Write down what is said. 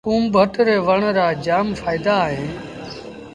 ڪُوڀٽ ري وڻ رآ جآم ڦآئيدآ اهيݩ۔